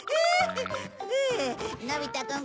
のび太くん